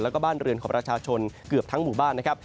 แล้วก็บ้านเรือนของประชาชนเกือบทั้งหมู่บ้านนะครับ